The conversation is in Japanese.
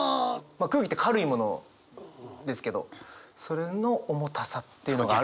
空気って軽いものですけどそれの重たさっていうのがある。